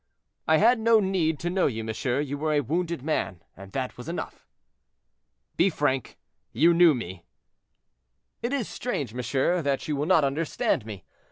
"I had no need to know you, monsieur; you were a wounded man, that was enough." "Be frank; you knew me?" "It is strange, monsieur, that you will not understand me.